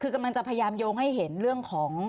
คือกำลังจะพยายามโยงให้เห็นเรื่องของ